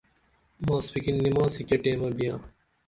ماسپِھیکِن نماسی کیہ ٹیمہ بیاں؟